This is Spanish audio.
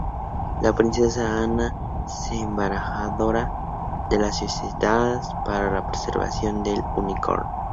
La princesa Ana es embajadora de la Sociedad para la Preservación del "Unicorn".